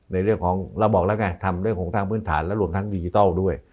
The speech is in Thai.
ในเรื่องของเราบอกแล้วไงทำเรื่องของทางพื้นฐานและรวมทั้งดิจิทัลด้วย